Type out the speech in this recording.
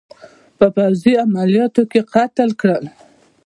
په پوځي عملیاتو کې قتل کړل.